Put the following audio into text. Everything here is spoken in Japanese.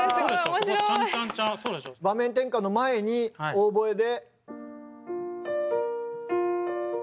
場面転換の前にオーボエで。